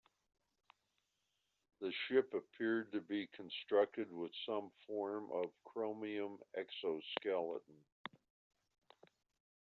The ship appeared to be constructed with some form of chromium exoskeleton.